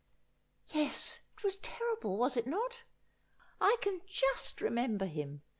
' Yes, it was terrible, was it not? I can just rem mber him.